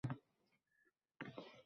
Hozir oʻttiz sakkizinchi yil